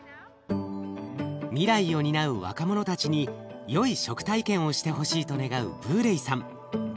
未来を担う若者たちによい食体験をしてほしいと願うブーレイさん。